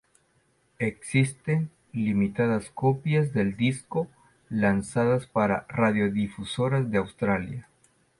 Existen limitadas copias del disco lanzadas para radiodifusoras de Australia.